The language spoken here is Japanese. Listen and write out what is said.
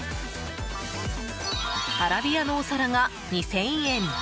アラビアのお皿が２０００円。